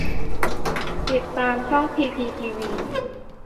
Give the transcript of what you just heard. ติดตามช่องพีพีทีวี